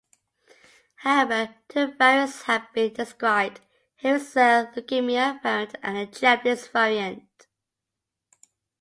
However, two variants have been described: Hairy cell leukemia-variant and a Japanese variant.